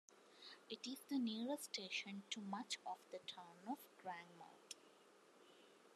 It is the nearest station to much of the town of Grangemouth.